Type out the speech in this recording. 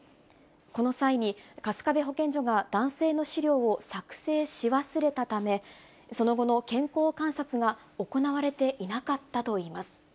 この際に、春日部保健所が男性の資料を作成し忘れたため、その後の健康観察が行われていなかったといいます。